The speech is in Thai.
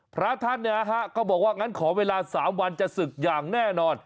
พระท่านก็บอกว่างั้นขอเวลา๓วันจะศึกอย่างแน่นอน